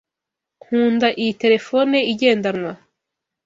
Nkunda iyi terefone igendanwa. (